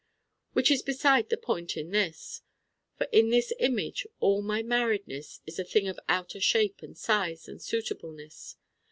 Which is beside the point in this. For in this image all my marriedness is a thing of outer Shape and Size and Suitableness.